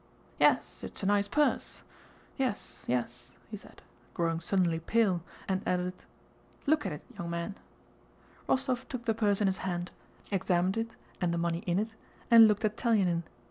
"Yes, it's a nice purse. Yes, yes," he said, growing suddenly pale, and added, "Look at it, young man." Rostóv took the purse in his hand, examined it and the money in it, and looked at Telyánin.